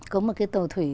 có một cái tàu thủy